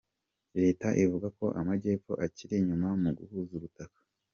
Leta ivuga ko Amajyepfo akiri inyuma mu guhuza ubutaka